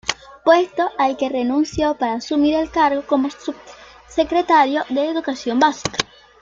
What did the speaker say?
Puesto al que renunció para asumir el cargo como subsecretario de Educación Básica.